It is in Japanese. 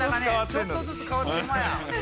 ちょっとずつ変わってんだぜ。